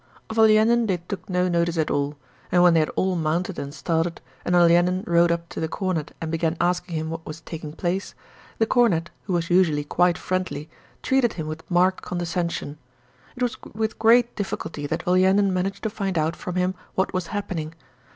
Of Olenin they took no notice at all, and when they had all mounted and started, and Olenin rode up to the cornet and began asking him what was taking place, the cornet, who was usually quite friendly, treated him with marked condescension. It was with great difficulty that Olenin managed to find out from him what was happening.